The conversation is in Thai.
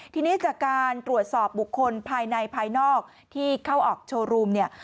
ทีนี้จากการตรวจสอบบุคคลภายในภายนอกที่เข้าออกโชว์รูมเนี่ย